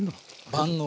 万能。